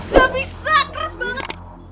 gak bisa keras banget